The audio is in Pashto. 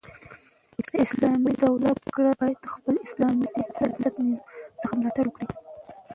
د اسلامي دولت وګړي بايد د خپل اسلامي سیاسي نظام څخه ملاتړ وکړي.